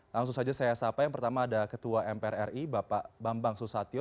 langsung saja saya sapa yang pertama ada ketua mpr ri bapak bambang susatyo